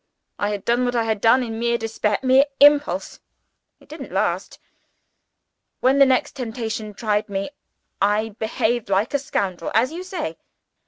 I had done what I had done in sheer despair: mere impulse it didn't last. When the next temptation tried me, I behaved like a scoundrel as you say."